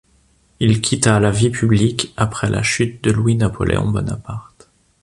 Il quitta la vie publique après la chute de Louis-Napoléon Bonaparte.